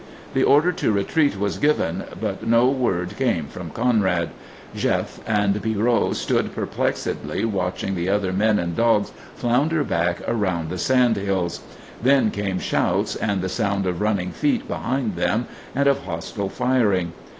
The order to retreat was given, but no word came from Conrad. Jef and Pierrot stood perplexedly watching the other men and dogs flounder back around the sand hills. Then came shouts and the sound of running feet behind them, and of hostile firing.